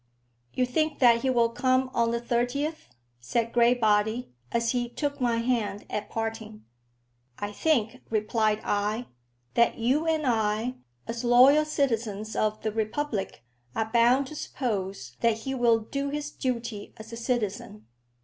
"You think that he will come on the thirtieth?" said Graybody, as he took my hand at parting. "I think," replied I, "that you and I, as loyal citizens of the Republic, are bound to suppose that he will do his duty as a citizen."